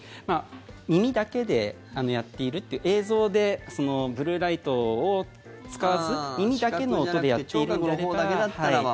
耳だけでやっているという映像でブルーライトを使わず耳だけの音でやっているのであれば。